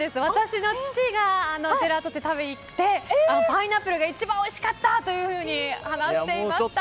私の父がジェラート店、食べに行ってパイナップルが一番おいしかったと話していました。